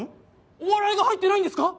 お笑いが入ってないんですか？